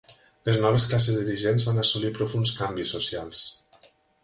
Les noves classes dirigents van assolir profunds canvis socials.